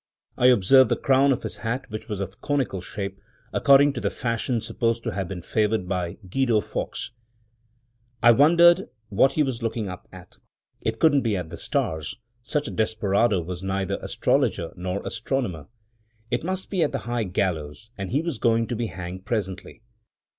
I observed the crown of his hat, which was of conical shape, according to the fashion supposed to have been favored by Guido Fawkes. I wondered what he was looking up at. It couldn't be at the stars; such a desperado was neither astrologer nor astronomer. It must be at the high gallows, and he was going to be hanged presently.